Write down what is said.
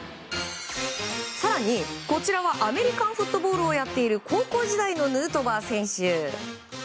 更に、こちらはアメリカンフットボールをやっている高校時代のヌートバー選手。